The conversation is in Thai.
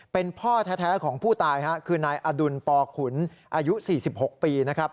เป็นพ่อแท้ของผู้ตายคือนายอดุลปขุนอายุ๔๖ปีนะครับ